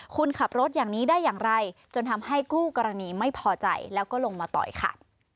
คุณขับรถอย่างนี้ได้อย่างไรจนทำให้คู่กรณีไม่พอใจแล้วก็ลงมาต่อยค่ะ